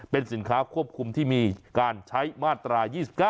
เป็นสินค้าควบคุมที่มีการใช้มาตรา๒๙